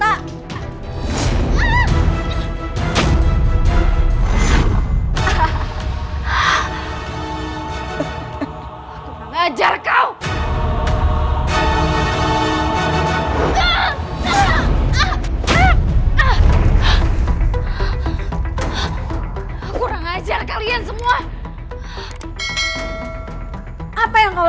aku harus segera berangkat